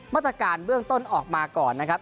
มาตรการเรื่องต้นออกมาก่อน